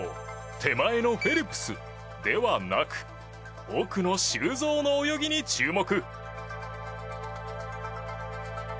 手前のフェルプスではなく奥の修造の泳ぎに注目。